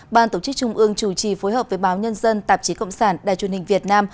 ban tổ chức trung ương chủ trì phối hợp với báo nhân dân tạp chí cộng sản đài truyền hình việt nam